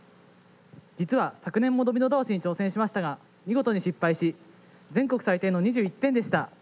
実は昨年もドミノ倒しに挑戦しましたが見事に失敗し全国最低の２１点でした。